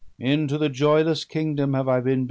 Into the joyless kingdom have I been.